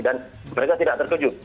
dan mereka tidak terkejut